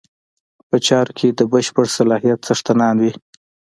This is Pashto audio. په چارو کې د بشپړ صلاحیت څښتنان وي.